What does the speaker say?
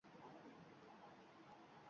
Yana biz uchun harajat qilishmasin dedim